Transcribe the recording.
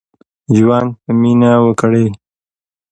ژوند په مينه وکړئ.